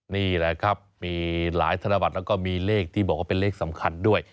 นี่แหละครับมีหลายธนบัตรแล้วก็มีเลขที่บอกว่าเป็นเลขสำคัญด้วย